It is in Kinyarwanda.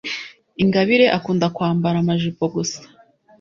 ingabire akunda kwambara amajipo gusa